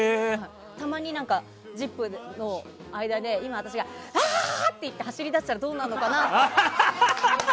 たまに「ＺＩＰ！」の間で今、私があー！って言って走り出したらどうなるかなって。